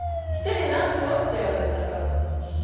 １人何個？」って言われたら。